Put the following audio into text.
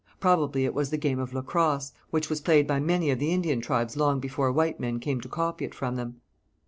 Probably it was the game of lacrosse, which was played by many of the Indian tribes long before white men came to copy it from them.